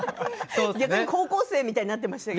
逆に高校生みたいになっていました。